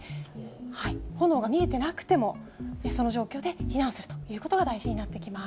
炎が見えてなくても、その状況で避難するということが大事になってきます。